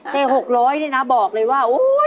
แต่๖๐๐นี่นะบอกเลยว่าโอ๊ย